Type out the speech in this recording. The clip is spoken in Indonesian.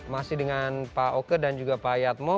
masih dengan pak oke dan juga pak yatmo